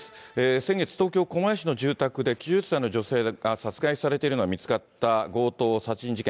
先月、東京・狛江市の住宅で９０歳の女性が殺害されているのが見つかった強盗殺人事件。